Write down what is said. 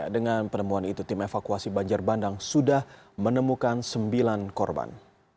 dengan penemuan itu tim evakuasi banjir bandang sudah menemukan sembilan korban